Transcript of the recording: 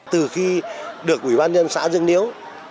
từ khi được quỹ ban nhân xã dương niếu